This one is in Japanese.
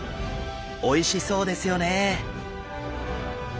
おいしそうですよね。